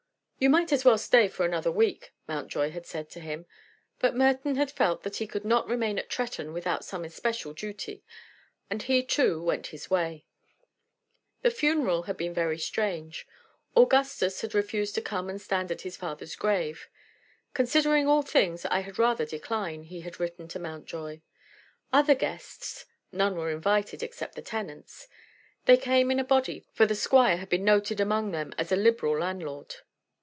"You might as well stay for another week," Mountjoy had said to him. But Merton had felt that he could not remain at Tretton without some especial duty, and he too went his way. The funeral had been very strange. Augustus had refused to come and stand at his father's grave. "Considering all things, I had rather decline," he had written to Mountjoy. Other guests none were invited, except the tenants. They came in a body, for the squire had been noted among them as a liberal landlord.